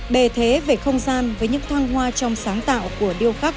bề thế về không gian với những thang hoa trong sáng tạo của điêu khắc